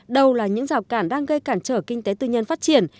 đâu là những rào cản đang gây cản trở kinh tế tư nhân phát triển